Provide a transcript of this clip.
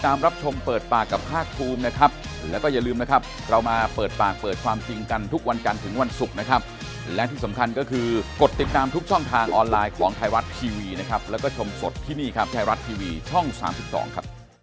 อันนี้มันมีความรักและรับผิดชอบต่อสังคม